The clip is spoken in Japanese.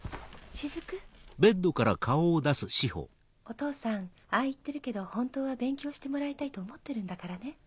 お父さんああ言ってるけど本当は勉強してもらいたいと思ってるんだからね。